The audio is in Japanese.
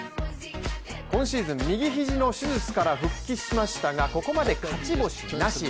今シーズン、右肘の手術から復帰しましたがここまで勝ち星なし。